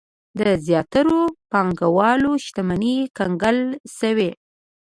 د زیاترو پانګوالو شتمنۍ کنګل شوې.